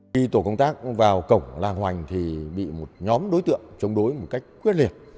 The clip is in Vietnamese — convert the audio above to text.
khi tổ công tác vào cổng lang hoành thì bị một nhóm đối tượng chống đối một cách quyết liệt